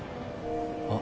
あっ。